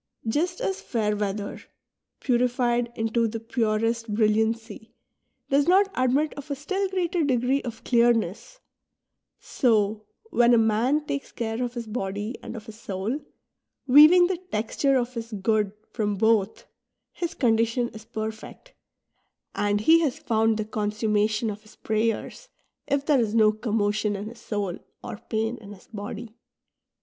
Just as fair weather, purified into the purest brilliancy, does not admit of a still greater degree of clearness ; so, when a man takes care of his body and of his soul, wea^^ng the texture of his good from both, his con dition is perfect, and he has found the consummation of his prayers, if thei'e is no commotion in his soul or pain in his body.